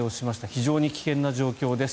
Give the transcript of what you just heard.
非常に危険な状況です。